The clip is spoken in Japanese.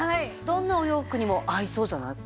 どんなお洋服にも合いそうじゃない？